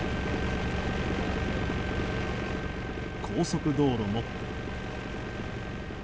高速道路も。